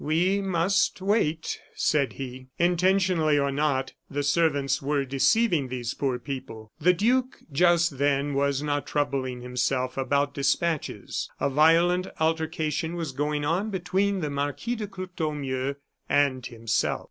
"We must wait!" said he. Intentionally or not, the servants were deceiving these poor people. The duke, just then, was not troubling himself about despatches. A violent altercation was going on between the Marquis de Courtornieu and himself.